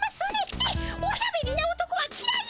えっおしゃべりな男はきらい？